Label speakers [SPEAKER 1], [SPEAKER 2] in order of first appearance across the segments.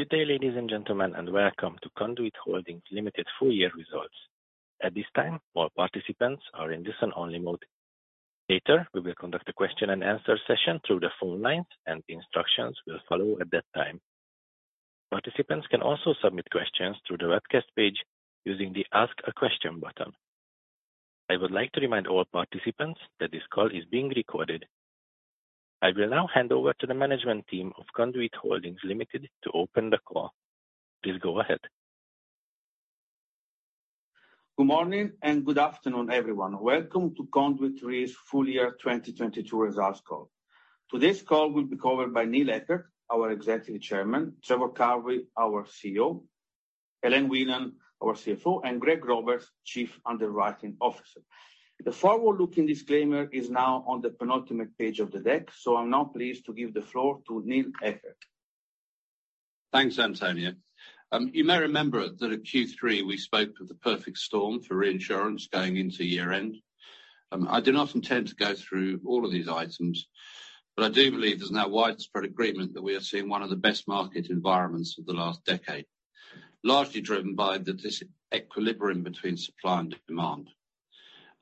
[SPEAKER 1] Good day, ladies and gentlemen. Welcome to Conduit Holdings Limited full year results. At this time, all participants are in listen-only mode. Later, we will conduct a question-and-answer session through the phone lines, and instructions will follow at that time. Participants can also submit questions through the webcast page using the Ask a Question button. I would like to remind all participants that this call is being recorded. I will now hand over to the management team of Conduit Holdings Limited to open the call. Please go ahead.
[SPEAKER 2] Good morning and good afternoon, everyone. Welcome to Conduit Re's full year 2022 results call. Today's call will be covered by Neil Eckert, our Executive Chairman, Trevor Carvey, our CEO, Elaine Whelan, our CFO, and Greg Roberts, Chief Underwriting Officer. The forward-looking disclaimer is now on the penultimate page of the deck. I'm now pleased to give the floor to Neil Eckert.
[SPEAKER 3] Thanks, Antonio. You may remember that at Q3 we spoke of the perfect storm for reinsurance going into year-end. I do not intend to go through all of these items, but I do believe there's now widespread agreement that we are seeing one of the best market environments of the last decade, largely driven by the disequilibrium between supply and demand.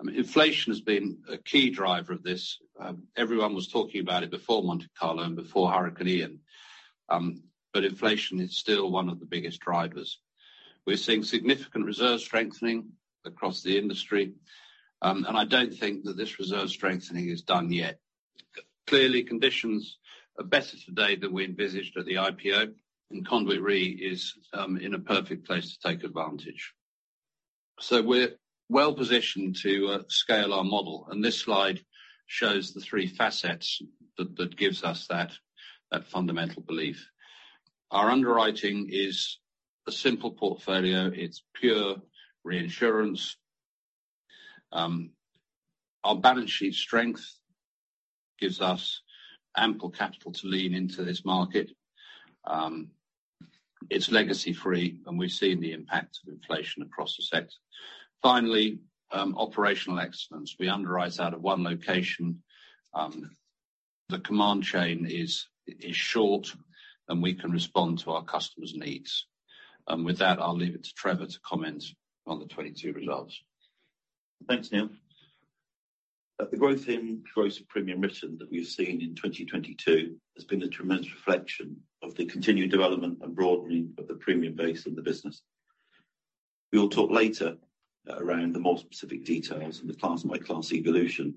[SPEAKER 3] Inflation has been a key driver of this. Everyone was talking about it before Monte Carlo and before Hurricane Ian, but inflation is still one of the biggest drivers. We're seeing significant reserve strengthening across the industry, and I don't think that this reserve strengthening is done yet. Clearly, conditions are better today than we envisaged at the IPO and Conduit Re is in a perfect place to take advantage. We're well-positioned to scale our model, and this slide shows the three facets that gives us that fundamental belief. Our underwriting is a simple portfolio. It's pure reinsurance. Our balance sheet strength gives us ample capital to lean into this market. It's legacy-free, and we've seen the impact of inflation across the sector. Finally, operational excellence. We underwrite out of one location. The command chain is short, and we can respond to our customers' needs. With that, I'll leave it to Trevor to comment on the 2022 results.
[SPEAKER 4] Thanks, Neil. The growth in gross of premium written that we've seen in 2022 has been a tremendous reflection of the continued development and broadening of the premium base of the business. We'll talk later around the more specific details and the class by class evolution.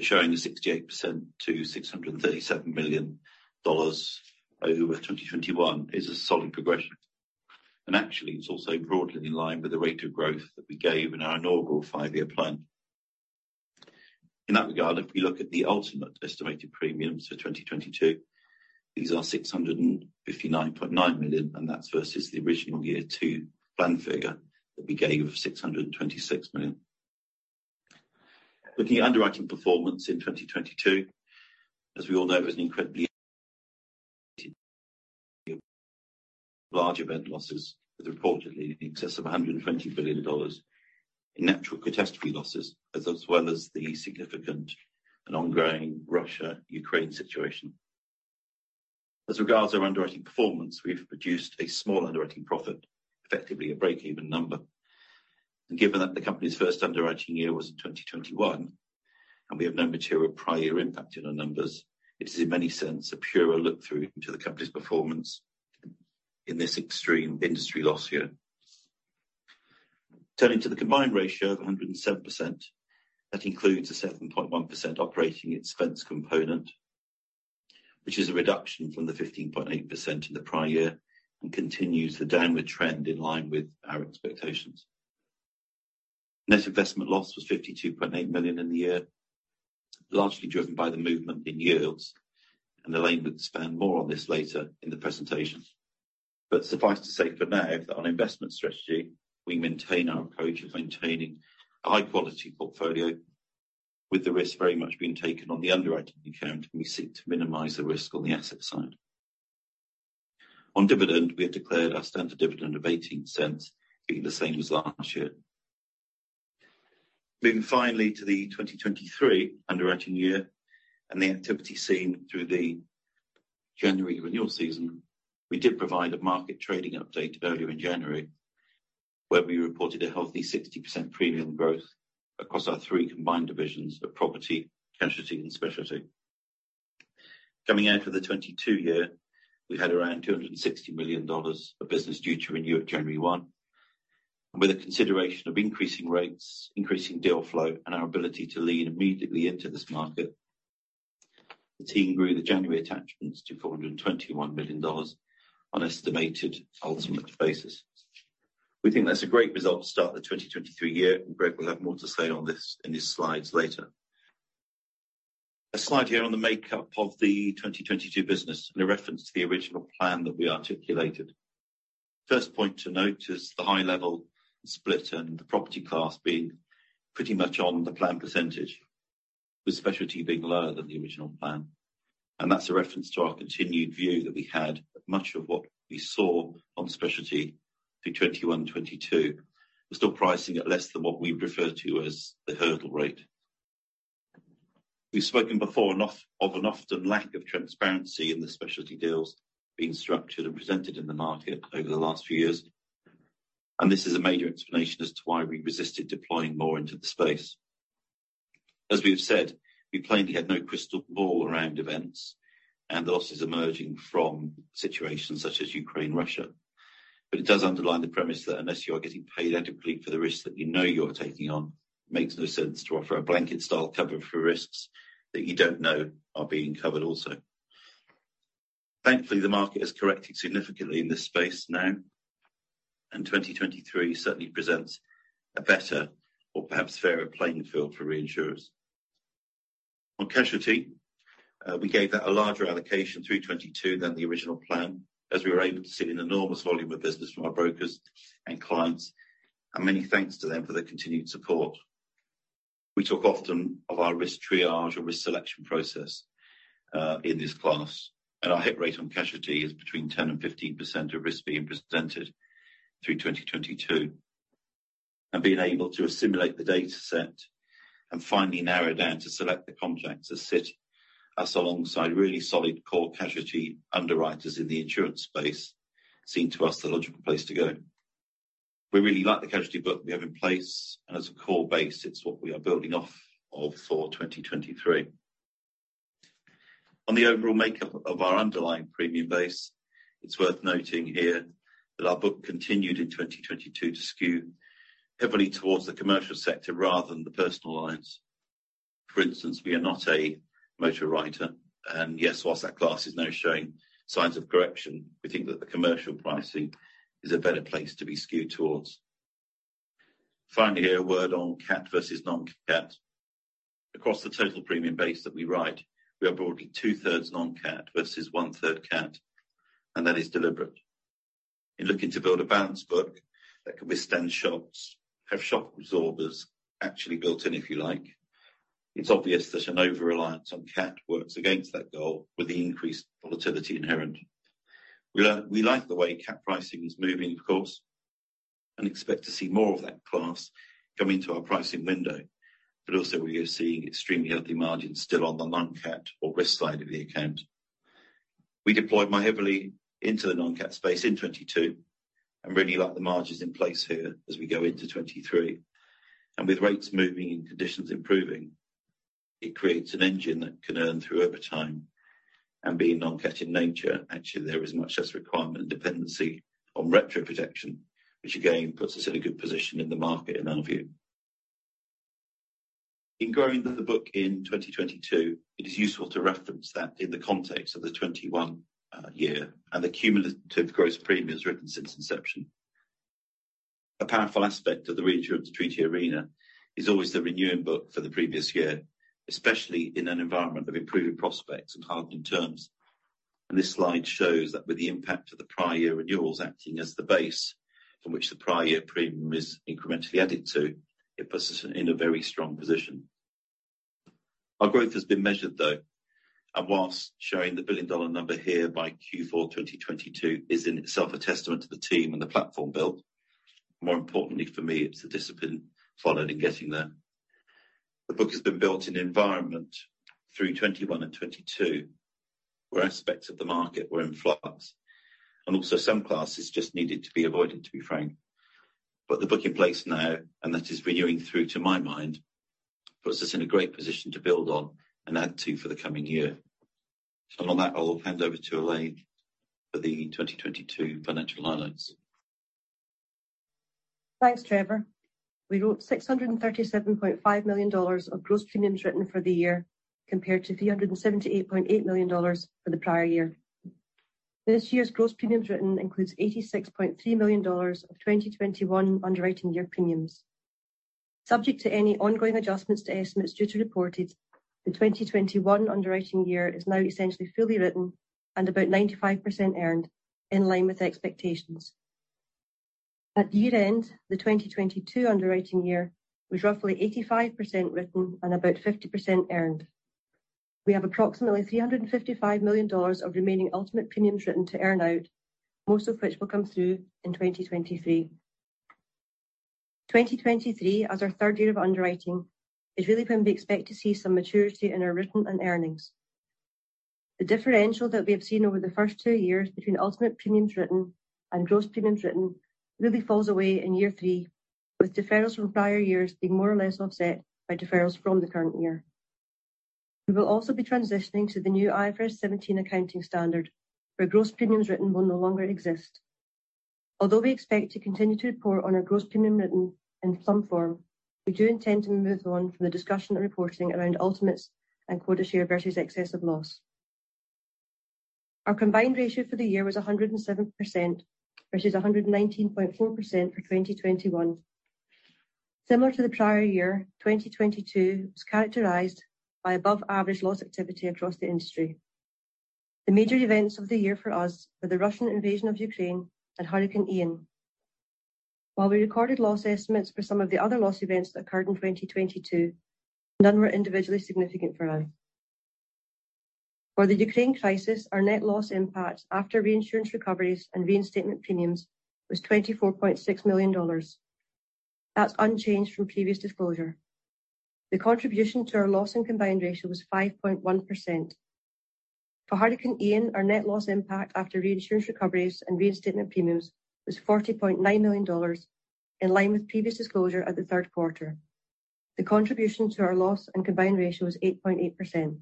[SPEAKER 4] Showing a 68% to $637 million over with 2021 is a solid progression. Actually, it's also broadly in line with the rate of growth that we gave in our inaugural five-year plan. In that regard, if we look at the ultimate estimated premiums for 2022, these are $659.9 million, and that's versus the original year two plan figure that we gave of $626 million. Looking at underwriting performance in 2022, as we all know, it was an incredibly large event losses, with reportedly in excess of $120 billion in natural catastrophe losses, as well as the significant and ongoing Russia-Ukraine situation. As regards our underwriting performance, we've produced a small underwriting profit, effectively a break-even number. Given that the company's first underwriting year was in 2021, and we have no material prior impact in our numbers, it is in many sense a purer look through into the company's performance in this extreme industry loss year. Turning to the combined ratio of 107%, that includes a 7.1% operating expense component, which is a reduction from the 15.8% in the prior year, and continues the downward trend in line with our expectations. Net investment loss was $52.8 million in the year, largely driven by the movement in yields. Elaine would expand more on this later in the presentation. Suffice to say for now that on investment strategy, we maintain our approach of maintaining a high-quality portfolio with the risk very much being taken on the underwriting account. We seek to minimize the risk on the asset side. On dividend, we have declared our standard dividend of $0.18, being the same as last year. Moving finally to the 2023 underwriting year and the activity seen through the January renewal season, we did provide a market trading update earlier in January, where we reported a healthy 60% premium growth across our three combined divisions of property, casualty, and specialty. Coming out of the 2022 year, we had around $260 million of business due to renew at January 1. With the consideration of increasing rates, increasing deal flow, and our ability to lean immediately into this market. The team grew the January attachments to $421 million on estimated ultimate basis. We think that's a great result to start the 2023 year, and Greg will have more to say on this in his slides later. A slide here on the makeup of the 2022 business and a reference to the original plan that we articulated. First point to note is the high level split and the property class being pretty much on the plan percentage, with specialty being lower than the original plan. That's a reference to our continued view that we had much of what we saw on specialty through 2021, 2022. We're still pricing at less than what we refer to as the hurdle rate. We've spoken before enough of an often lack of transparency in the specialty deals being structured and presented in the market over the last few years, this is a major explanation as to why we resisted deploying more into the space. As we have said, we plainly had no crystal ball around events and the losses emerging from situations such as Ukraine, Russia. It does underline the premise that unless you are getting paid adequately for the risks that you know you're taking on, makes no sense to offer a blanket style coverage for risks that you don't know are being covered also. Thankfully, the market has corrected significantly in this space now. 2023 certainly presents a better or perhaps fairer playing field for reinsurers. On casualty, we gave that a larger allocation through 2022 than the original plan as we were able to see an enormous volume of business from our brokers and clients. Many thanks to them for their continued support. We talk often of our risk triage or risk selection process in this class, and our hit rate on casualty is between 10% and 15% of risk being presented through 2022. Being able to assimilate the dataset and finally narrow down to select the contracts that sit us alongside really solid core casualty underwriters in the insurance space seem to us the logical place to go. We really like the casualty book we have in place, and as a core base, it's what we are building off of for 2023. On the overall makeup of our underlying premium base, it's worth noting here that our book continued in 2022 to skew heavily towards the commercial sector rather than the personal lines. For instance, we are not a motor writer, and yes, whilst that class is now showing signs of correction. We think that the commercial pricing is a better place to be skewed towards. Finally, a word on cat versus non-cat. Across the total premium base that we write, we are broadly 2/3 non-cat versus 1/3 cat, and that is deliberate. In looking to build a balanced book that can withstand shocks, have shock absorbers actually built in, if you like, it's obvious that an overreliance on cat works against that goal with the increased volatility inherent. We like the way cat pricing is moving, of course, and expect to see more of that class come into our pricing window. Also we are seeing extremely healthy margins still on the non-cat or risk side of the account. We deployed more heavily into the non-cat space in 2022 and really like the margins in place here as we go into 2023. With rates moving and conditions improving, it creates an engine that can earn through over time. Being non-cat in nature, actually, there is much less requirement and dependency on retro protection, which again puts us in a good position in the market, in our view. In growing the book in 2022, it is useful to reference that in the context of the 2021 year and the cumulative gross premiums written since inception. A powerful aspect of the reinsurance treaty arena is always the renewing book for the previous year, especially in an environment of improving prospects and hardened terms. This slide shows that with the impact of the prior year renewals acting as the base from which the prior year premium is incrementally added to, it puts us in a very strong position. Our growth has been measured, though, and whilst showing the billion-dollar number here by Q4 2022 is in itself a testament to the team and the platform built. More importantly for me, it's the discipline followed in getting there. The book has been built in environment through 2021 and 2022, where aspects of the market were in flux, and also some classes just needed to be avoided, to be frank. The book in place now, and that is renewing through to my mind, puts us in a great position to build on and add to for the coming year. On that, I'll hand over to Elaine for the 2022 financial highlights.
[SPEAKER 5] Thanks, Trevor. We wrote $637.5 million of gross premiums written for the year, compared to $378.8 million for the prior year. This year's gross premiums written includes $86.3 million of 2021 underwriting year premiums. Subject to any ongoing adjustments to estimates due to reported, the 2021 underwriting year is now essentially fully written and about 95% earned in line with expectations. At year-end, the 2022 underwriting year was roughly 85% written and about 50% earned. We have approximately $355 million of remaining ultimate premiums written to earn out, most of which will come through in 2023. 2023, as our third year of underwriting, is really when we expect to see some maturity in our written and earnings. The differential that we have seen over the first two years between ultimate premiums written and gross premiums written really falls away in year 3, with deferrals from prior years being more or less offset by deferrals from the current year. We will also be transitioning to the new IFRS 17 accounting standard, where gross premiums written will no longer exist. Although we expect to continue to report on our gross premium written in some form, we do intend to move on from the discussion and reporting around ultimates and quota share versus excess of loss. Our combined ratio for the year was 107%, versus 119.4% for 2021. Similar to the prior year, 2022 was characterized by above-average loss activity across the industry. The major events of the year for us were the Russian invasion of Ukraine and Hurricane Ian. While we recorded loss estimates for some of the other loss events that occurred in 2022, none were individually significant for us. For the Ukraine crisis, our net loss impact after reinsurance recoveries and reinstatement premiums was $24.6 million. That's unchanged from previous disclosure. The contribution to our loss and combined ratio was 5.1%. For Hurricane Ian, our net loss impact after reinsurance recoveries and reinstatement premiums was $40.9 million, in line with previous disclosure at the third quarter. The contribution to our loss and combined ratio was 8.8%.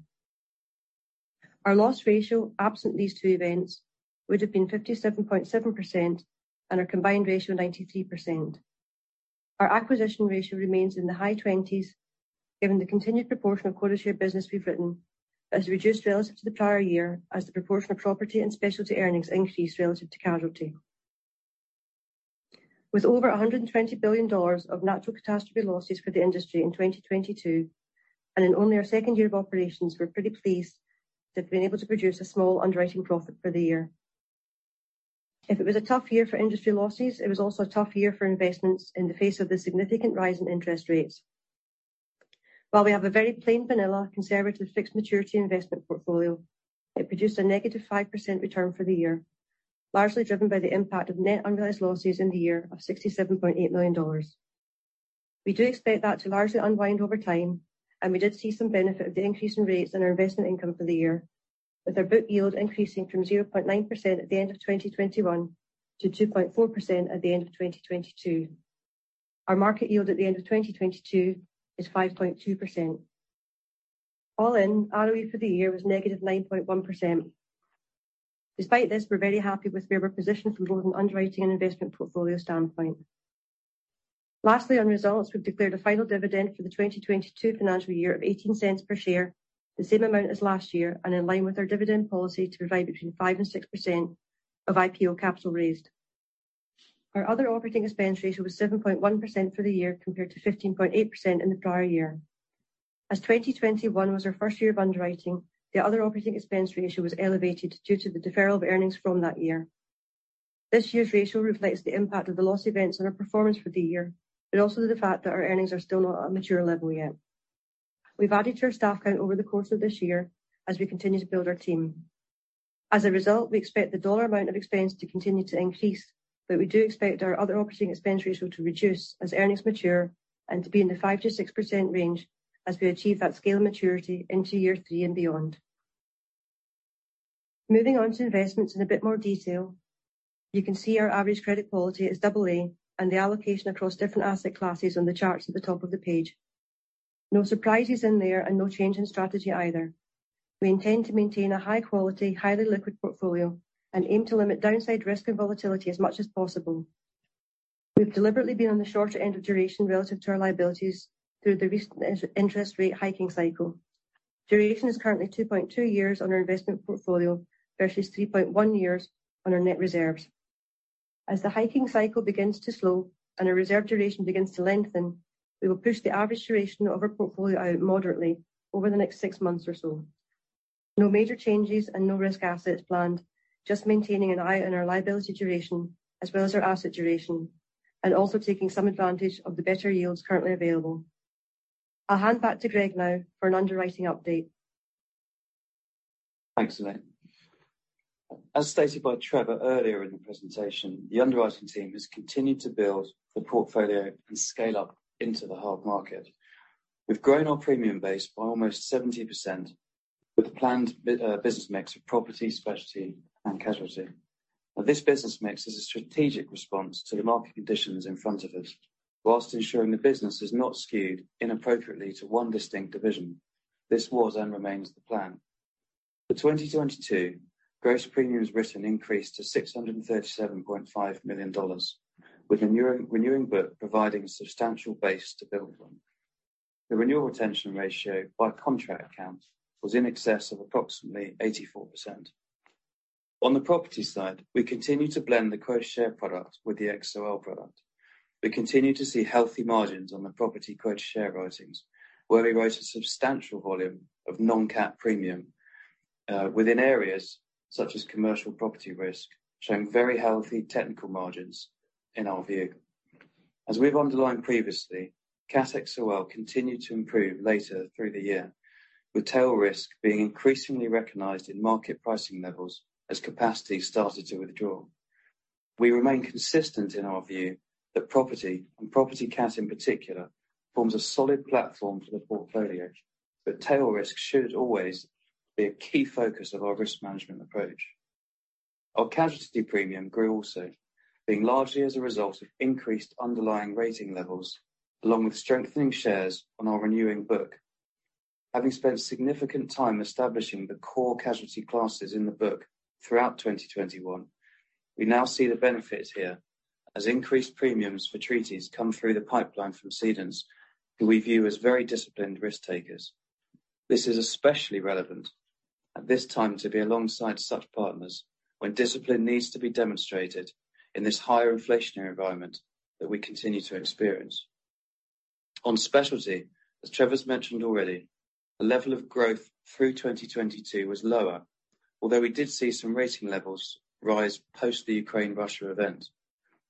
[SPEAKER 5] Our loss ratio, absent these two events, would have been 57.7% and our combined ratio, 93%. Our acquisition ratio remains in the high 20s, given the continued proportion of quota share business we've written, as reduced relative to the prior year as the proportion of property and specialty earnings increased relative to casualty. With over $120 billion of natural catastrophe losses for the industry in 2022 and in only our second year of operations, we're pretty pleased to have been able to produce a small underwriting profit for the year. If it was a tough year for industry losses, it was also a tough year for investments in the face of the significant rise in interest rates. While we have a very plain vanilla, conservative, fixed maturity investment portfolio, it produced a negative 5% return for the year, largely driven by the impact of net unrealized losses in the year of $67.8 million. We do expect that to largely unwind over time, and we did see some benefit of the increase in rates on our investment income for the year, with our book yield increasing from 0.9% at the end of 2021 to 2.4% at the end of 2022. Our market yield at the end of 2022 is 5.2%. All in, ROE for the year was -9.1%. Despite this, we're very happy with where we're positioned from both an underwriting and investment portfolio standpoint. Lastly, on results, we've declared a final dividend for the 2022 financial year of $0.18 per share, the same amount as last year and in line with our dividend policy to provide between 5% and 6% of IPO capital raised. Our other operating expense ratio was 7.1% for the year compared to 15.8% in the prior year. As 2021 was our first year of underwriting, the other operating expense ratio was elevated due to the deferral of earnings from that year. This year's ratio reflects the impact of the loss events on our performance for the year, but also the fact that our earnings are still not at a mature level yet. We've added to our staff count over the course of this year as we continue to build our team. As a result, we expect the dollar amount of expense to continue to increase, but we do expect our other operating expense ratio to reduce as earnings mature and to be in the 5%-6% range as we achieve that scale of maturity into year 3 and beyond. Moving on to investments in a bit more detail. You can see our average credit quality is AA and the allocation across different asset classes on the charts at the top of the page. No surprises in there and no change in strategy either. We intend to maintain a high quality, highly liquid portfolio and aim to limit downside risk and volatility as much as possible. We've deliberately been on the shorter end of duration relative to our liabilities through the recent inter-interest rate hiking cycle. Duration is currently 2.2 years on our investment portfolio versus 3.1 years on our net reserves. As the hiking cycle begins to slow and our reserve duration begins to lengthen, we will push the average duration of our portfolio out moderately over the next six months or so. No major changes and no risk assets planned, just maintaining an eye on our liability duration as well as our asset duration, and also taking some advantage of the better yields currently available. I'll hand back to Greg now for an underwriting update.
[SPEAKER 6] Thanks, Elaine. As stated by Trevor earlier in the presentation, the underwriting team has continued to build the portfolio and scale up into the hard market. We've grown our premium base by almost 70% with a planned business mix of property, specialty, and casualty. This business mix is a strategic response to the market conditions in front of us, whilst ensuring the business is not skewed inappropriately to one distinct division. This was and remains the plan. For 2022, gross premiums written increased to $637.5 million, with the newer-renewing book providing substantial base to build on. The renewal retention ratio by contract count was in excess of approximately 84%. On the property side, we continue to blend the Quota Share product with the XOL product. We continue to see healthy margins on the property Quota Share writings, where we wrote a substantial volume of non-cap premium, within areas such as commercial property risk, showing very healthy technical margins in our view. As we've underlined previously, CAT XOL continued to improve later through the year, with tail risk being increasingly recognized in market pricing levels as capacity started to withdraw. We remain consistent in our view that property and property CAT in particular, forms a solid platform for the portfolio, but tail risk should always be a key focus of our risk management approach. Our casualty premium grew also, being largely as a result of increased underlying rating levels, along with strengthening shares on our renewing book. Having spent significant time establishing the core casualty classes in the book throughout 2021, we now see the benefit here as increased premiums for treaties come through the pipeline from cedants, who we view as very disciplined risk takers. This is especially relevant at this time to be alongside such partners when discipline needs to be demonstrated in this higher inflationary environment that we continue to experience. On specialty, as Trevor's mentioned already, the level of growth through 2022 was lower. Although we did see some rating levels rise post the Ukraine-Russia event.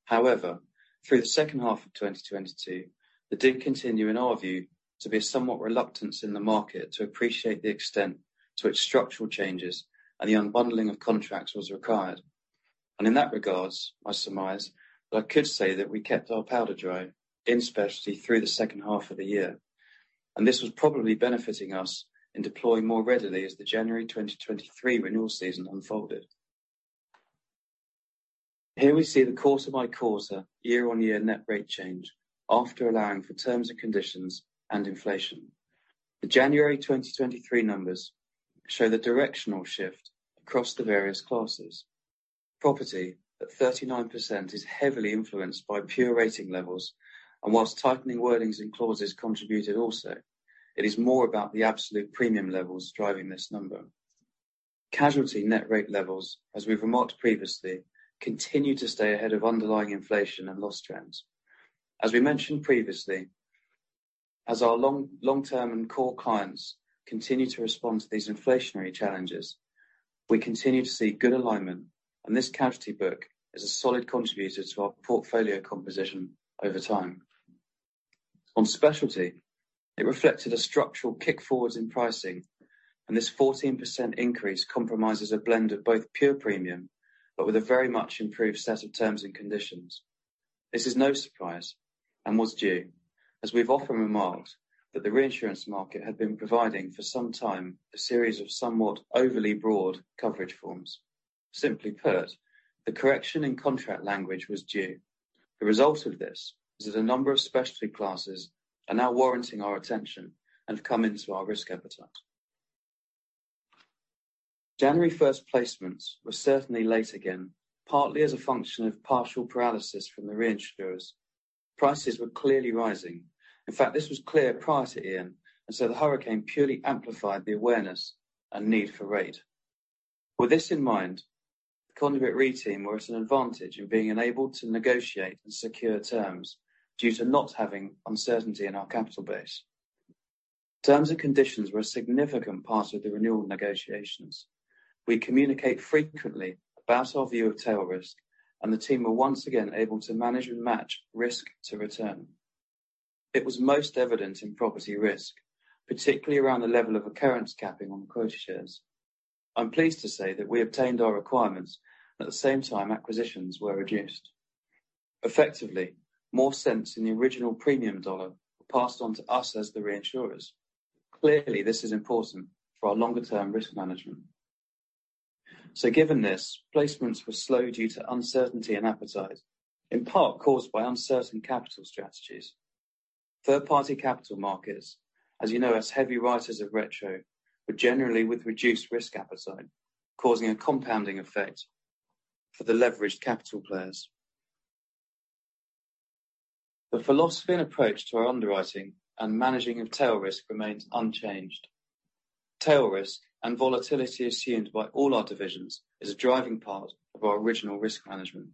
[SPEAKER 6] However, through the second half of 2022, there did continue, in our view, to be a somewhat reluctance in the market to appreciate the extent to which structural changes and the unbundling of contracts was required. In that regards, I surmise that I could say that we kept our powder dry in specialty through the second half of the year, and this was probably benefiting us in deploying more readily as the January 2023 renewal season unfolded. Here we see the quarter-by-quarter, year-on-year net rate change after allowing for terms and conditions and inflation. The January 2023 numbers show the directional shift across the various classes. Property at 39% is heavily influenced by pure rating levels, and while tightening wordings and clauses contributed also, it is more about the absolute premium levels driving this number. Casualty net rate levels, as we've remarked previously, continue to stay ahead of underlying inflation and loss trends. As we mentioned previously, as our long-term and core clients continue to respond to these inflationary challenges, we continue to see good alignment, this casualty book is a solid contributor to our portfolio composition over time. On specialty, it reflected a structural kick forwards in pricing, this 14% increase compromises a blend of both pure premium, with a very much improved set of terms and conditions. This is no surprise and was due, as we've often remarked, that the reinsurance market had been providing for some time a series of somewhat overly broad coverage forms. Simply put, the correction in contract language was due. The result of this is that a number of specialty classes are now warranting our attention and have come into our risk appetite. January first placements were certainly late again, partly as a function of partial paralysis from the reinsurers. Prices were clearly rising. In fact, this was clear prior to Ian, and so the hurricane purely amplified the awareness and need for rate. With this in mind, the Conduit Re team were at an advantage in being enabled to negotiate and secure terms due to not having uncertainty in our capital base. Terms and conditions were a significant part of the renewal negotiations. We communicate frequently about our view of tail risk, and the team were once again able to manage and match risk to return. It was most evident in property risk, particularly around the level of occurrence capping on Quota Shares. I'm pleased to say that we obtained our requirements, at the same time, acquisitions were reduced. Effectively, more cents in the original premium dollar were passed on to us as the reinsurers. Clearly, this is important for our longer term risk management. Given this, placements were slow due to uncertainty and appetite, in part caused by uncertain capital strategies. Third-party capital markets, as you know, as heavy writers of retro, were generally with reduced risk appetite, causing a compounding effect for the leveraged capital players. The philosophy and approach to our underwriting and managing of tail risk remains unchanged. Tail risk and volatility assumed by all our divisions is a driving part of our original risk management.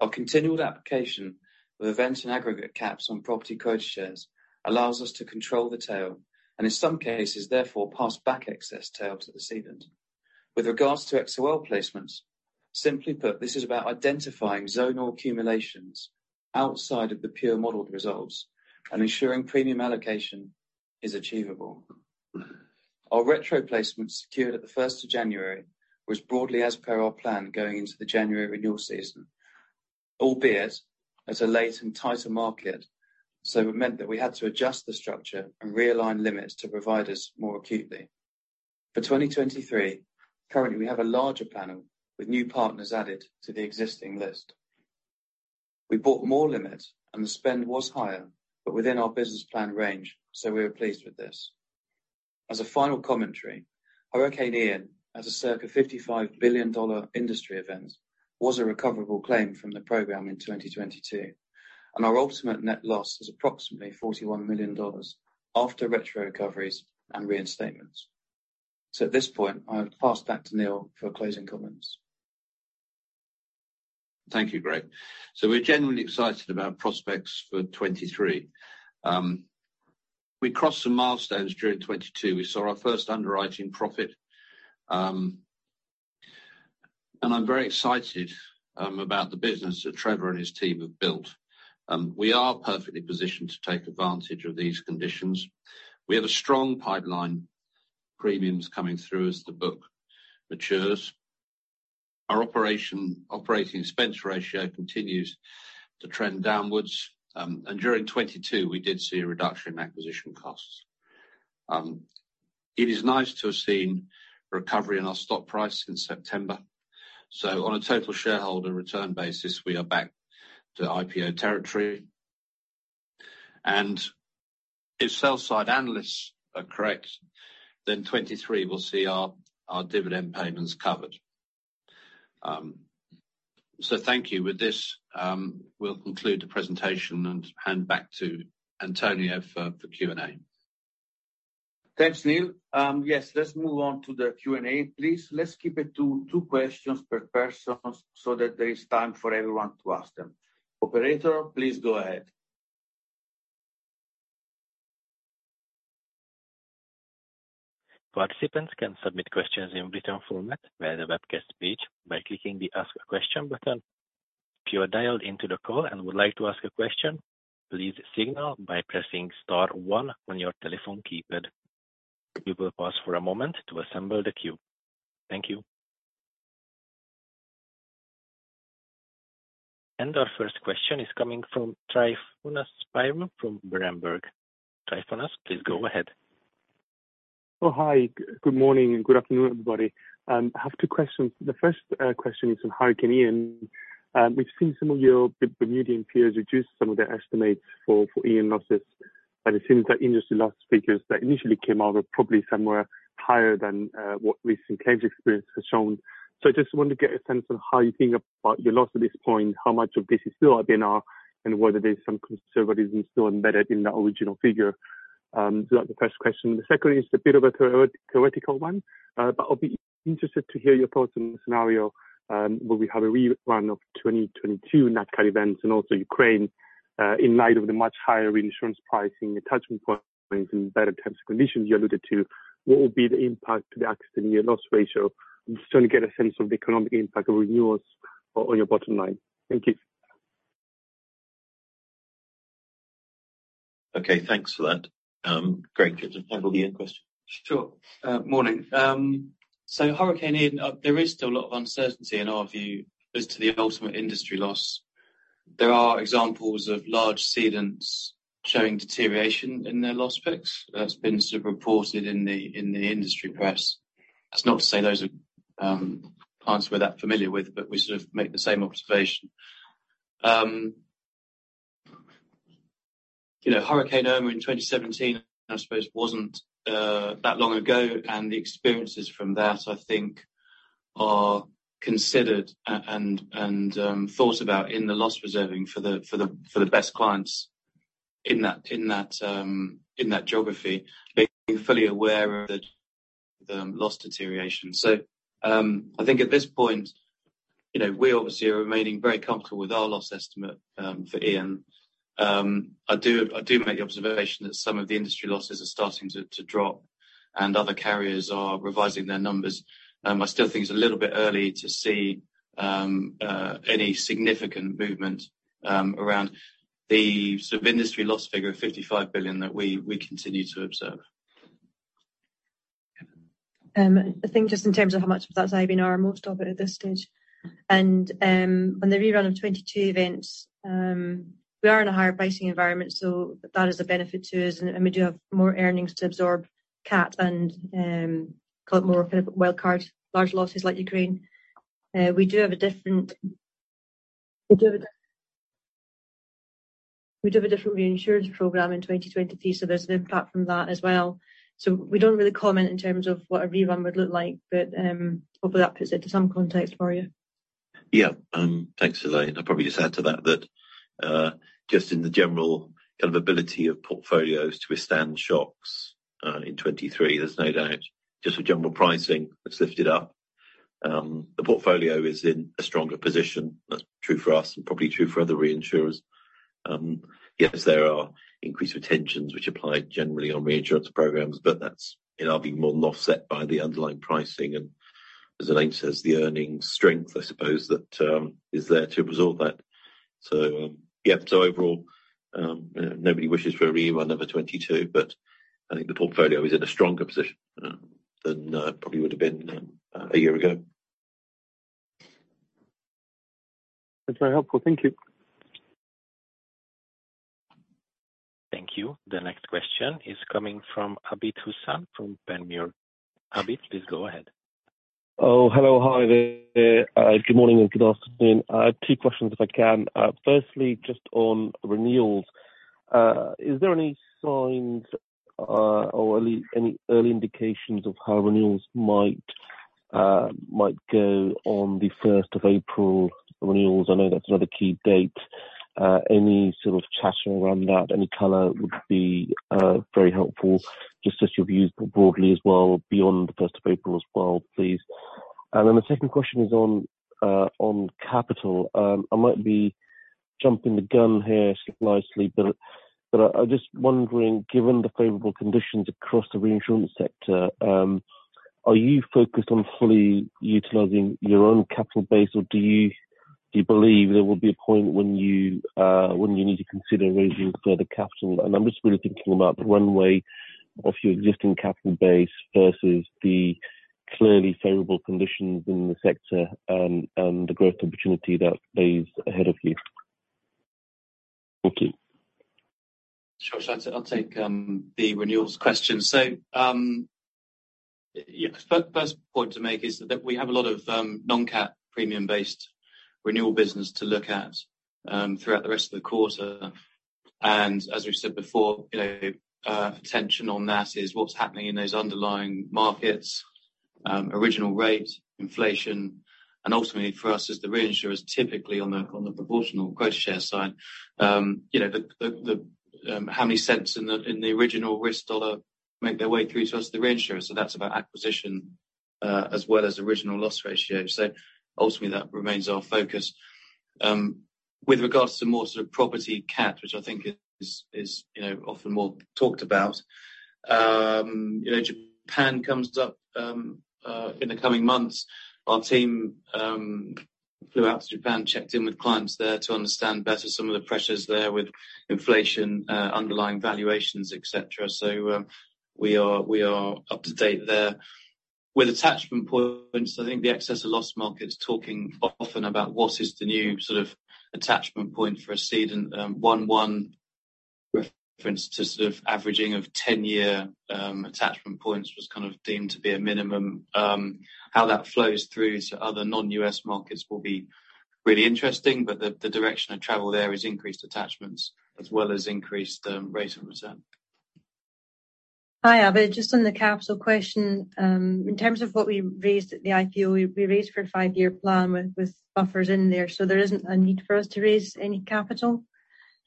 [SPEAKER 6] Our continual application with events and aggregate caps on property Quota Shares allows us to control the tail and in some cases, therefore pass back excess tail to the cedant. With regards to XOL placements, simply put, this is about identifying zonal accumulations outside of the pure modeled results and ensuring premium allocation is achievable. Our retro placement secured at the 1st of January was broadly as per our plan going into the January renewal season, albeit as a late and tighter market, so it meant that we had to adjust the structure and realign limits to provide us more acutely. For 2023, currently, we have a larger panel with new partners added to the existing list. We bought more limits and the spend was higher, but within our business plan range, so we are pleased with this. As a final commentary, Hurricane Ian, as a circa $55 billion industry event, was a recoverable claim from the program in 2022, and our ultimate net loss is approximately $41 million after retro recoveries and reinstatements. At this point, I'll pass back to Neil for closing comments.
[SPEAKER 3] Thank you, Greg. We're generally excited about prospects for 2023. We crossed some milestones during 2022. We saw our first underwriting profit, and I'm very excited about the business that Trevor and his team have built. We are perfectly positioned to take advantage of these conditions. We have a strong pipeline premiums coming through as the book matures. Our operating expense ratio continues to trend downwards. During 2022, we did see a reduction in acquisition costs. It is nice to have seen recovery in our stock price since September. On a total shareholder return basis, we are back to IPO territory. If sell side analysts are correct, then 2023 will see our dividend payments covered. Thank you. With this, we'll conclude the presentation and hand back to Antonio for the Q&A.
[SPEAKER 2] Thanks, Neil. Yes, let's move on to the Q&A, please. Let's keep it to two questions per person so that there is time for everyone to ask them. Operator, please go ahead.
[SPEAKER 1] Participants can submit questions in written format via the webcast page by clicking the Ask a Question button. If you are dialed into the call and would like to ask a question, please signal by pressing star one on your telephone keypad. We will pause for a moment to assemble the queue. Thank you. Our first question is coming from Tryfonas Spyrou from Berenberg. Tryfonas, please go ahead.
[SPEAKER 7] Oh, hi. Good morning and good afternoon, everybody. I have two questions. The first question is on Hurricane Ian. We've seen some of your Bermudian peers reduce some of their estimates for Ian losses. It seems like industry loss figures that initially came out are probably somewhere higher than what recent claims experience has shown. I just wanted to get a sense on how you think about your loss at this point, how much of this is still IBNR, and whether there's some conservatism still embedded in the original figure. That's the first question. The second is a bit of a theoretical one. I'll be interested to hear your thoughts on the scenario, where we have a rerun of 2022 nat cat events and also Ukraine. In light of the much higher reinsurance pricing attachment points and better terms and conditions you alluded to, what would be the impact to the accident year loss ratio? I'm just trying to get a sense of the economic impact of renewals on your bottom line. Thank you.
[SPEAKER 4] Okay, thanks for that. Great. James, I'll hand over to you for a question.
[SPEAKER 8] Sure. Morning. Hurricane Ian, there is still a lot of uncertainty in our view as to the ultimate industry loss. There are examples of large cedants showing deterioration in their loss picks. That's been sort of reported in the industry press. That's not to say those are clients we're that familiar with, but we sort of make the same observation. You know, Hurricane Ian in 2017, I suppose, wasn't that long ago, and the experiences from that, I think, are considered and thought about in the loss reserving for the best clients in that, in that geography, being fully aware of the loss deterioration. I think at this point, you know, we obviously are remaining very comfortable with our loss estimate for Ian. I do make the observation that some of the industry losses are starting to drop. Other carriers are revising their numbers. I still think it's a little bit early to see any significant movement around the sort of industry loss figure of $55 billion that we continue to observe.
[SPEAKER 5] I think just in terms of how much of that's IBNR, most of it at this stage. On the rerun of 2022 events. We are in a higher pricing environment, so that is a benefit to us, and we do have more earnings to absorb CAT and call it more of a wild card, large losses like Ukraine. We do have a different reinsurance program in 2023, so there's an impact from that as well. We don't really comment in terms of what a rerun would look like, but hopefully that puts it to some context for you.
[SPEAKER 4] Yeah. Thanks, Elaine. I'll probably just add to that, just in the general kind of ability of portfolios to withstand shocks, in 2023, there's no doubt just the general pricing has lifted up. The portfolio is in a stronger position. That's true for us and probably true for other reinsurers. Yes, there are increased retentions which apply generally on reinsurance programs, but that's, you know, being more than offset by the underlying pricing and, as Elaine says, the earnings strength, I suppose, that is there to absorb that. Yeah. Overall, you know, nobody wishes for a rerun of 2022, but I think the portfolio is in a stronger position than it probably would have been a year ago.
[SPEAKER 7] That's very helpful. Thank you.
[SPEAKER 1] Thank you. The next question is coming from Abid Hussain from Panmure. Abid, please go ahead.
[SPEAKER 9] Oh, hello. Hi there. Good morning, and good afternoon. Two questions if I can. Firstly, just on renewals. Is there any signs, or any early indications of how renewals might go on the 1st of April renewals? I know that's another key date. Any sort of chatter around that? Any color would be very helpful. Just as your views more broadly as well, beyond the 1st of April as well, please. The second question is on capital. I might be jumping the gun here slightly, but I'm just wondering, given the favorable conditions across the reinsurance sector, are you focused on fully utilizing your own capital base, or do you believe there will be a point when you need to consider raising further capital? I'm just really thinking about the runway of your existing capital base versus the clearly favorable conditions in the sector and the growth opportunity that lays ahead of you. Thank you.
[SPEAKER 8] Sure. I'll take the renewals question. Yeah, first point to make is that we have a lot of non-cat premium-based renewal business to look at throughout the rest of the quarter. As we've said before, you know, attention on that is what's happening in those underlying markets, original rate, inflation, and ultimately for us as the reinsurers typically on the proportional quota share side, you know, how many cents in the original risk dollar make their way through to us, the reinsurers. That's about acquisition As well as original loss ratio. Ultimately, that remains our focus. With regards to more sort of property cat, which I think is, you know, often more talked about. You know, Japan comes up in the coming months. Our team flew out to Japan, checked in with clients there to understand better some of the pressures there with inflation, underlying valuations, et cetera. We are, we are up to date there. With attachment points, I think the excess of loss market is talking often about what is the new sort of attachment point for a cedent. One reference to sort of averaging of 10-year attachment points was kind of deemed to be a minimum. How that flows through to other non-US markets will be really interesting, but the direction of travel there is increased attachments as well as increased rate of return.
[SPEAKER 5] Hi, Abid. Just on the capital question, in terms of what we raised at the IPO, we raised for a five-year plan with buffers in there. There isn't a need for us to raise any capital.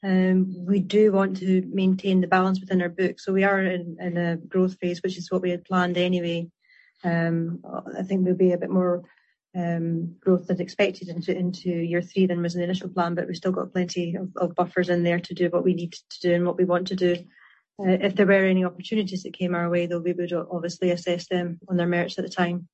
[SPEAKER 5] We do want to maintain the balance within our books. We are in a growth phase, which is what we had planned anyway. I think there'll be a bit more growth than expected into year three than was in the initial plan, but we've still got plenty of buffers in there to do what we need to do and what we want to do. If there were any opportunities that came our way, though we would obviously assess them on their merits at the time.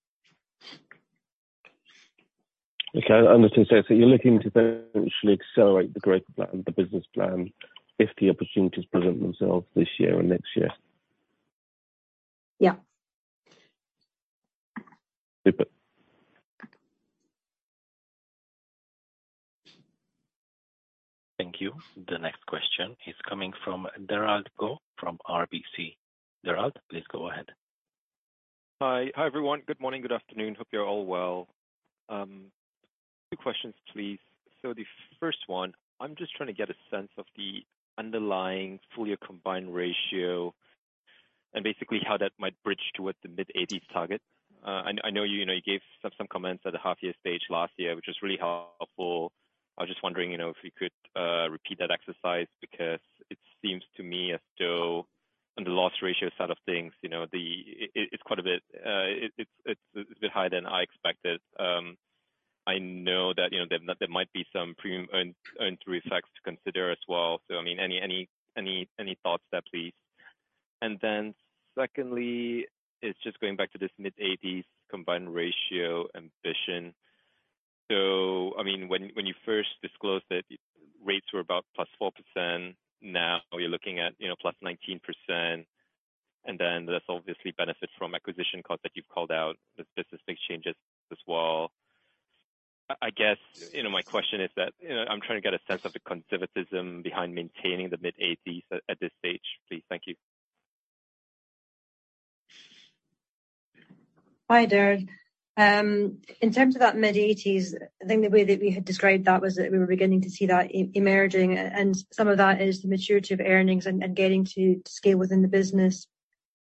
[SPEAKER 9] Okay. I understand. You're looking to potentially accelerate the growth plan, the business plan if the opportunities present themselves this year or next year?
[SPEAKER 5] Yeah.
[SPEAKER 9] Super.
[SPEAKER 1] Thank you. The next question is coming from Derald Goh from RBC. Derald, please go ahead.
[SPEAKER 10] Hi, everyone. Good morning. Good afternoon. Hope you're all well. Two questions, please. The first one, I'm just trying to get a sense of the underlying full-year combined ratio and basically how that might bridge towards the mid-80s target. I know you know, you gave some comments at the half-year stage last year, which was really helpful. I was just wondering, you know, if you could repeat that exercise because it seems to me as though on the loss ratio side of things, you know, it's quite a bit, it's a bit higher than I expected. I know that, you know, there might be some earned effects to consider as well. I mean, any thoughts there, please? Secondly, it's just going back to this mid-80s combined ratio ambition. I mean, when you first disclosed it, rates were about +4%. Now you're looking at, you know, +19%, and then there's obviously benefits from acquisition costs that you've called out. There's business mix changes as well. I guess, you know, my question is that, you know, I'm trying to get a sense of the conservatism behind maintaining the mid-80s at this stage, please. Thank you.
[SPEAKER 5] Hi, Derald. In terms of that mid-80s, I think the way that we had described that was that we were beginning to see that emerging and some of that is the maturity of earnings and getting to scale within the business.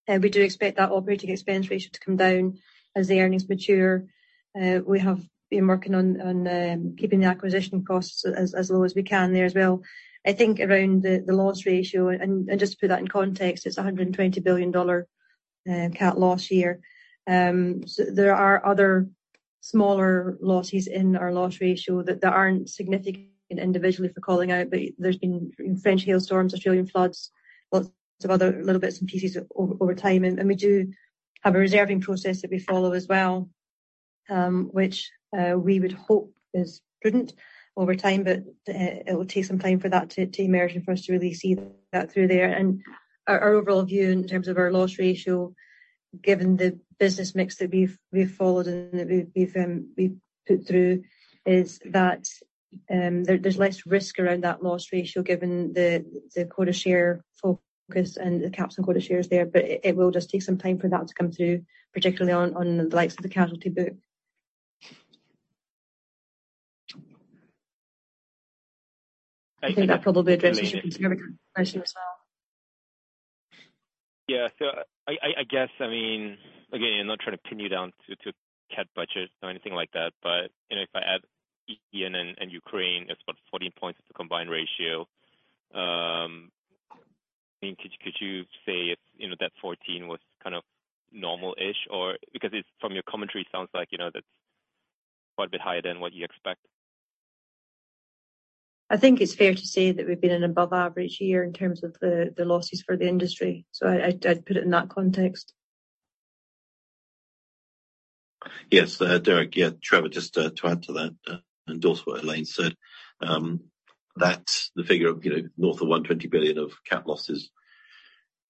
[SPEAKER 5] We do expect that operating expense ratio to come down as the earnings mature. We have been working on keeping the acquisition costs as low as we can there as well. I think around the loss ratio, and just to put that in context, it's a $120 billion cat loss year. There are other smaller losses in our loss ratio that aren't significant individually for calling out. There's been French hail storms, Australian floods, lots of other little bits and pieces over time. We do have a reserving process that we follow as well, which we would hope is prudent over time, but it will take some time for that to emerge and for us to really see that through there. Our overall view in terms of our loss ratio, given the business mix that we've followed and that we've put through, is that there's less risk around that loss ratio given the quota share focus and the caps and quota shares there. It will just take some time for that to come through, particularly on the likes of the casualty book.
[SPEAKER 10] I think-
[SPEAKER 5] I think that probably addresses your second question as well.
[SPEAKER 10] Yeah. I guess, I mean, again, I'm not trying to pin you down to cat budgets or anything like that, but, you know, if I add Ian and Ukraine, it's about 14 points of the combined ratio. I mean, could you say if you know that 14 was kind of normal-ish or because it's from your commentary sounds like, you know, that's quite a bit higher than what you expect.
[SPEAKER 5] I think it's fair to say that we've been an above average year in terms of the losses for the industry. I'd put it in that context.
[SPEAKER 4] Yes, Derald. It's Trevor, just to add to that and endorse what Elaine said. That's the figure of, you know, north of $120 billion of cat losses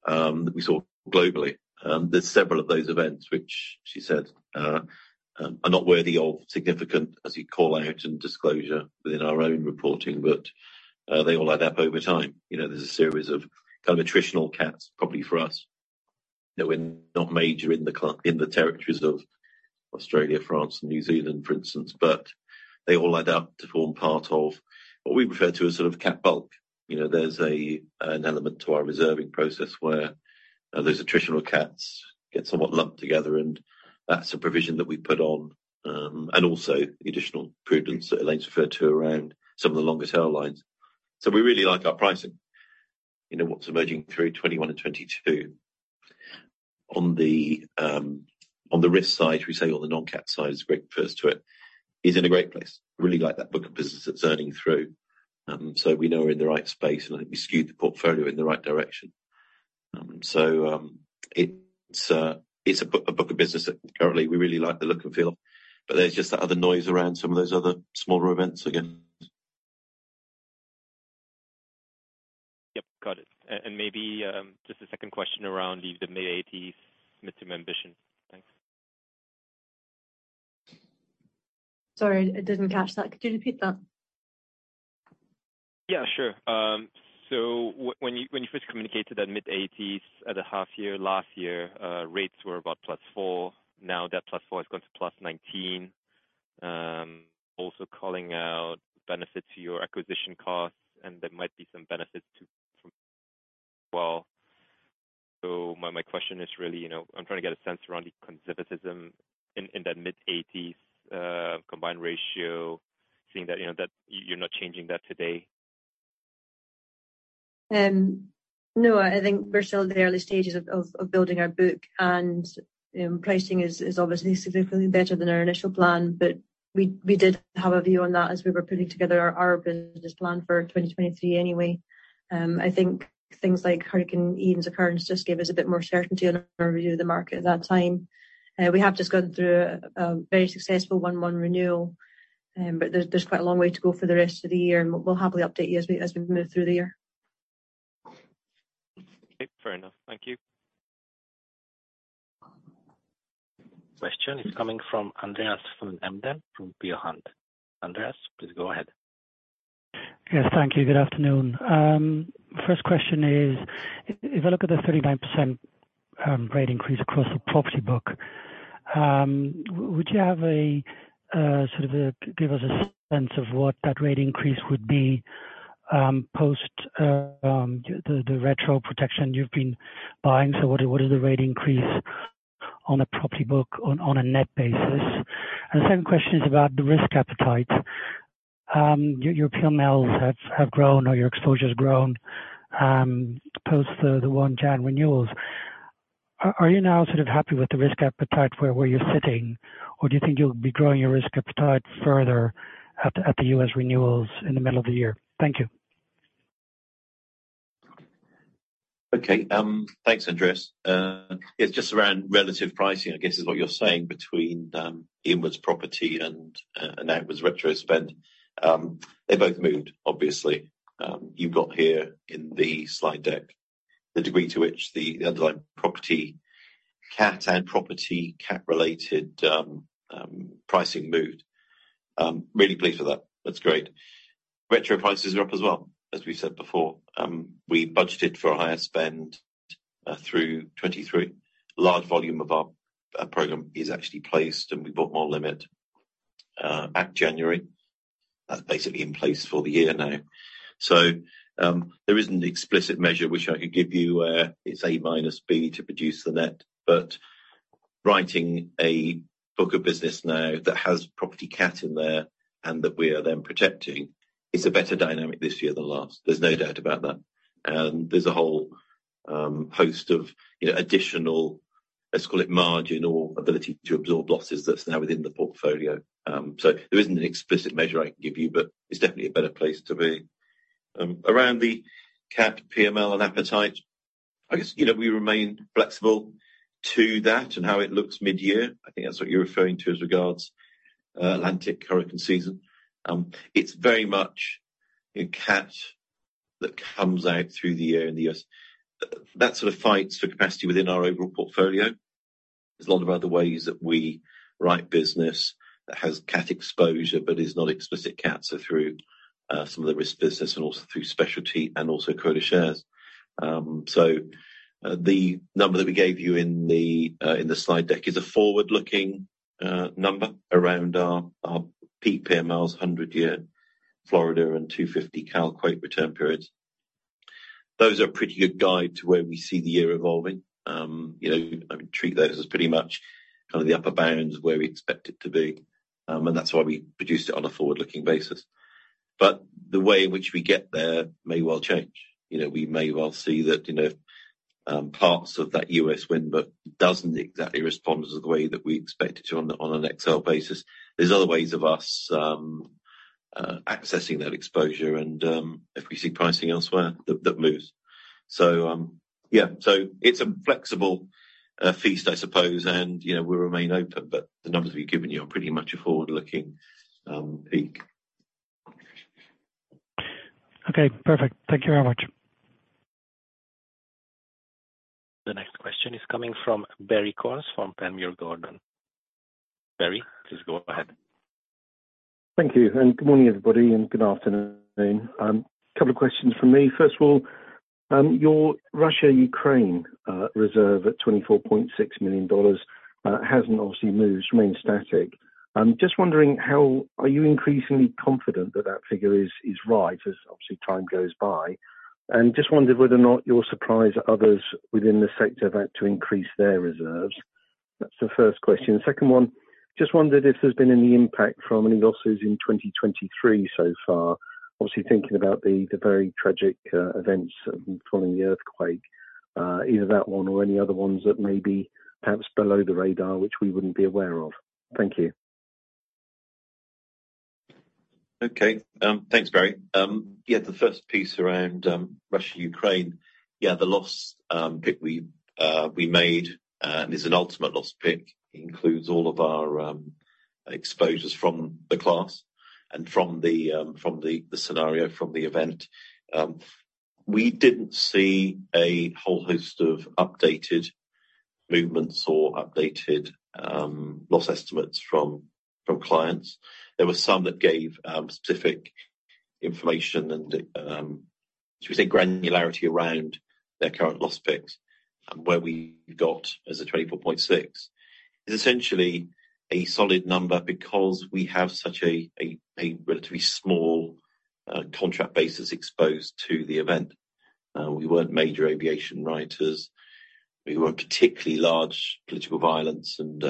[SPEAKER 4] that we saw globally. There's several of those events which she said are not worthy of significant as you call out and disclosure within our own reporting. They all add up over time. You know, there's a series of kind of attritional cats probably for us that we're not major in the territories of Australia, France and New Zealand, for instance. They all add up to form part of what we refer to as sort of cat bulk. You know, there's an element to our reserving process where those attritional cats get somewhat lumped together, and that's a provision that we put on. The additional prudence that Elaine's referred to around some of the longer tail lines. We really like our pricing. You know, what's emerging through 2021 and 2022. On the risk side, we say, or the non-cat side as Greg refers to it, is in a great place. Really like that book of business that's earning through. We know we're in the right space, and I think we skewed the portfolio in the right direction. It's a book of business that currently we really like the look and feel, but there's just that other noise around some of those other smaller events again.
[SPEAKER 10] Yep, got it. Maybe, just a second question around the mid-80s midterm ambition. Thanks.
[SPEAKER 5] Sorry, I didn't catch that. Could you repeat that?
[SPEAKER 10] Yeah, sure. When you first communicated that mid-80s at the half year last year, rates were about +4%. Now that +4% has gone to +19%. Also calling out benefits to your acquisition costs and there might be some benefits to from well. My question is really, you know, I'm trying to get a sense around the conservatism in that mid-80s combined ratio, seeing that, you know, that you're not changing that today?
[SPEAKER 5] No, I think we're still in the early stages of building our book, and pricing is obviously significantly better than our initial plan, but we did have a view on that as we were putting together our business plan for 2023 anyway. I think things like Hurricane Ian's occurrence just gave us a bit more certainty on our view of the market at that time. We have just gone through a very successful one-one renewal, but there's quite a long way to go for the rest of the year, and we'll happily update you as we move through the year.
[SPEAKER 10] Okay. Fair enough. Thank you.
[SPEAKER 1] Question is coming from Andreas van Embden from Peel Hunt. Andreas, please go ahead.
[SPEAKER 11] Yes. Thank you. Good afternoon. First question is, if I look at the 39% rate increase across the property book, would you have a sort of a, give us a sense of what that rate increase would be post the retro protection you've been buying? What is the rate increase on a property book on a net basis? The second question is about the risk appetite. Your PMLs have grown or your exposure's grown post the 1 Jan renewals. Are you now sort of happy with the risk appetite where you're sitting, or do you think you'll be growing your risk appetite further at the U.S. renewals in the middle of the year? Thank you.
[SPEAKER 4] Okay. Thanks, Andreas. It's just around relative pricing, I guess, is what you're saying between inwards property and an outwards retro spend. They both moved, obviously. You've got here in the slide deck the degree to which the underlying property cat and property cat related pricing moved. I'm really pleased with that. That's great. Retro prices are up as well, as we said before. We budgeted for a higher spend through 2023. Large volume of our program is actually placed, and we bought more limit at January. That's basically in place for the year now. There isn't explicit measure which I could give you, it's A minus B to produce the net, but writing a book of business now that has property cat in there and that we are then protecting is a better dynamic this year than last. There's no doubt about that. There's a whole, you know, host of additional, let's call it margin or ability to absorb losses that's now within the portfolio. There isn't an explicit measure I can give you, but it's definitely a better place to be. Around the cap PML and appetite, I guess, you know, we remain flexible to that and how it looks mid-year. I think that's what you're referring to as regards Atlantic hurricane season. It's very much a cat that comes out through the year in the U.S.. That sort of fights for capacity within our overall portfolio. There's a lot of other ways that we write business that has Nat Cat exposure but is not explicit Nat Cat. Through some of the risk business and also through specialty and also quota shares. The number that we gave you in the slide deck is a forward-looking number around our peak PML's 100-year Florida and 250 California earthquake return periods. Those are pretty good guide to where we see the year evolving. You know, I would treat those as pretty much kind of the upper bounds where we expect it to be, and that's why we produced it on a forward-looking basis. The way in which we get there may well change. You know, we may well see that, you know, parts of that U.S. windband doesn't exactly respond to the way that we expect it to on an XL basis. There's other ways of us accessing that exposure and if we see pricing elsewhere, that moves. Yeah. It's a flexible feast, I suppose, and, you know, we remain open, but the numbers we've given you are pretty much a forward-looking peak.
[SPEAKER 11] Okay, perfect. Thank you very much.
[SPEAKER 1] The next question is coming from Barrie Cornes from Panmure Gordon. Barrie, please go ahead.
[SPEAKER 12] Thank you, and good morning, everybody, and good afternoon. Couple of questions from me. First of all, your Russia-Ukraine reserve at $24.6 million hasn't obviously moved. It's remained static. I'm just wondering, are you increasingly confident that that figure is right as obviously time goes by? Just wondered whether or not you'll surprise others within the sector about to increase their reserves. That's the first question. The second one, just wondered if there's been any impact from any losses in 2023 so far. Obviously thinking about the very tragic events following the earthquake. Either that one or any other ones that may be perhaps below the radar, which we wouldn't be aware of. Thank you.
[SPEAKER 4] Okay. Thanks, Barry. The first piece around Russia, Ukraine. The loss pick we made is an ultimate loss pick. Includes all of our exposures from the class and from the scenario from the event. We didn't see a whole host of updated movements or updated loss estimates from clients. There were some that gave specific information and should we say granularity around their current loss picks. Where we got as a 24.6, is essentially a solid number because we have such a relatively small contract base as exposed to the event. We weren't major aviation writers. We weren't particularly large political violence and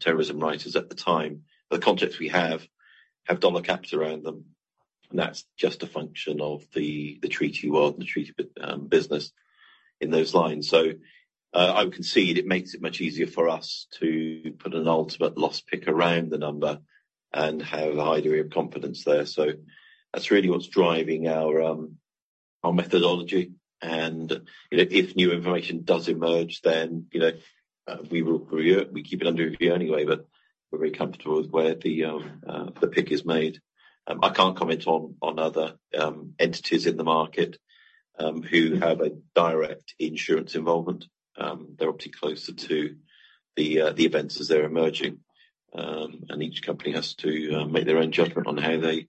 [SPEAKER 4] terrorism writers at the time. The contracts we have have dollar caps around them, and that's just a function of the treaty world and the treaty business in those lines. I would concede it makes it much easier for us to put an ultimate loss pick around the number and have a high degree of confidence there. That's really what's driving our methodology. If new information does emerge, then, you know, we will review it. We keep it under review anyway, but we're very comfortable with where the pick is made. I can't comment on other entities in the market, who have a direct insurance involvement. They're obviously closer to the events as they're emerging. Each company has to make their own judgment on how they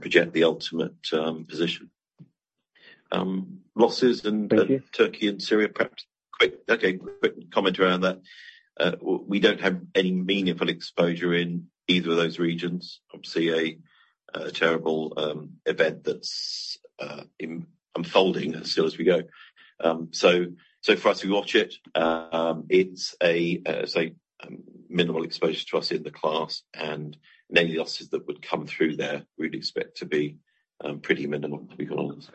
[SPEAKER 4] project the ultimate position.
[SPEAKER 12] Thank you.
[SPEAKER 4] Turkey and Syria, Okay, quick comment around that. we don't have any meaningful exposure in either of those regions. Obviously a terrible event that's unfolding still as we go. so for us to watch it's a say minimal exposure to us in the class and any losses that would come through there, we'd expect to be pretty minimal, to be honest.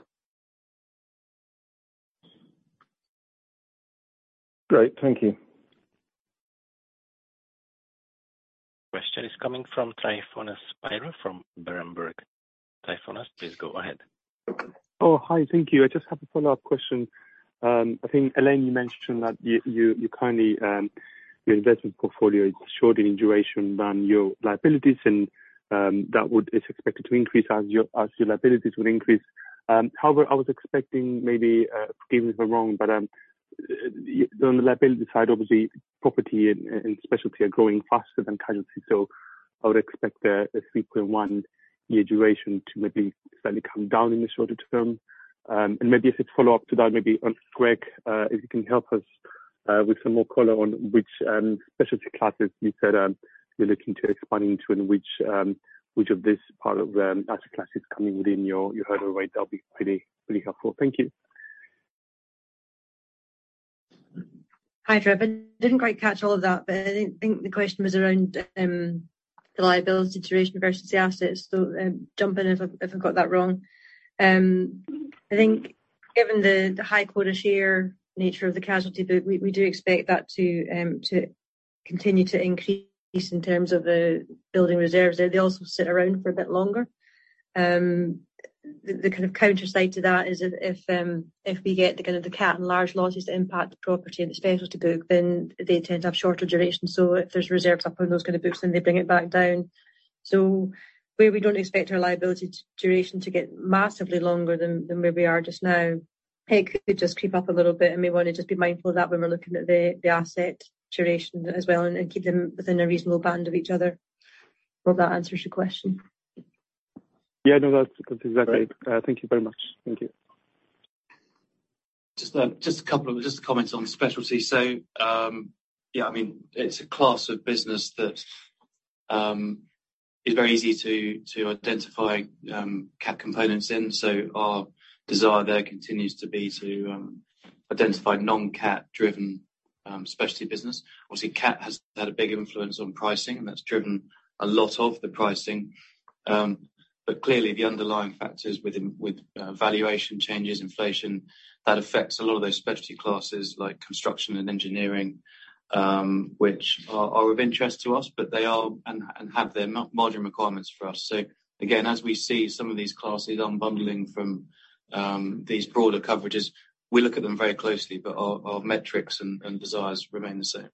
[SPEAKER 12] Great. Thank you.
[SPEAKER 1] Question is coming from Tryfonas Spyrou from Berenberg. Tryfonas, please go ahead.
[SPEAKER 7] Oh, hi. Thank you. I just have a follow-up question. I think, Elaine, you mentioned that you currently your investment portfolio is shorter in duration than your liabilities and that is expected to increase as your liabilities would increase. However, I was expecting maybe, forgive me if I'm wrong, but on the liability side, obviously property and specialty are growing faster than casualty, so I would expect the 3.1 year duration to maybe slightly come down in the shorter term. Maybe as a follow-up to that, maybe, Greg, if you can help us with some more color on which specialty classes you said you're looking to expanding to and which which of this part of the asset class is coming within your hurdle rate. That'll be pretty helpful. Thank you.
[SPEAKER 5] Hi, Tryfon. Didn't quite catch all of that, but I think the question was around the liability duration versus the assets. Jump in if I've got that wrong. I think given the high Quota Share nature of the casualty book, we do expect that to continue to increase in terms of the building reserves. They also sit around for a bit longer. The kind of counter side to that is if we get the kind of the cat and large losses to impact the property and the specialty book, then they tend to have shorter duration. If there's reserves up on those kind of books, then they bring it back down. We don't expect our liability duration to get massively longer than where we are just now. It could just creep up a little bit. We wanna just be mindful of that when we're looking at the asset duration as well and keep them within a reasonable band of each other. Hope that answers your question.
[SPEAKER 7] Yeah. No, that's exactly.
[SPEAKER 5] Great.
[SPEAKER 7] Thank you very much. Thank you.
[SPEAKER 8] Just a comment on specialty. I mean, it's a class of business that is very easy to identify cat components in. Our desire there continues to be to identify non-cat driven specialty business. Obviously, cat has had a big influence on pricing, and that's driven a lot of the pricing. Clearly the underlying factors within with valuation changes, inflation, that affects a lot of those specialty classes like construction and engineering, which are of interest to us, but they are and have their moderne requirements for us. Again, as we see some of these classes unbundling from these broader coverages, we look at them very closely, but our metrics and desires remain the same.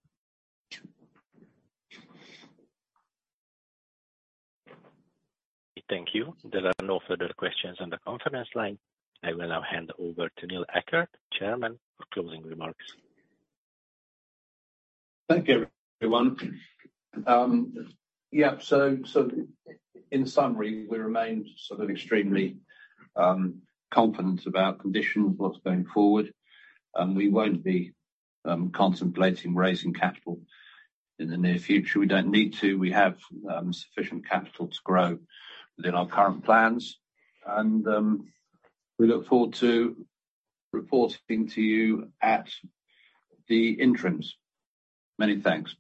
[SPEAKER 1] Thank you. There are no further questions on the conference line. I will now hand over to Neil Eckert, Chairman, for closing remarks.
[SPEAKER 3] Thank you, everyone. In summary, we remain extremely confident about conditions, what's going forward. We won't be contemplating raising capital in the near future. We don't need to. We have sufficient capital to grow within our current plans, and we look forward to reporting to you at the interims. Many thanks.